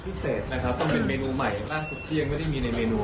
เพราะว่ามันพิเศษนะครับมันเป็นเมนูใหม่น่าสุดเจียงไม่ได้มีในเมนู